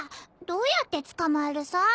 どうやって捕まえるさ？